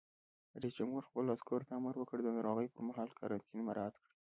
رئیس جمهور خپلو عسکرو ته امر وکړ؛ د ناروغۍ پر مهال قرنطین مراعات کړئ!